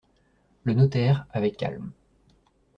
Le notaire , avec calme.